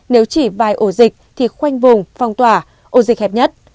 nếu chỉ vài ổ dịch thì khoanh vùng phong tỏa ổ dịch hẹp nhất